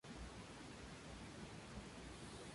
Las siete personas que viajaban a bordo fallecieron.